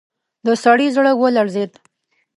د سړي زړه ولړزېد.